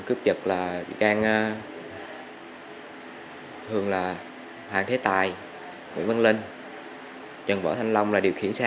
cướp giật là bị can thường là hoàng thế tài nguyễn văn linh trần võ thanh long là điều khiển xe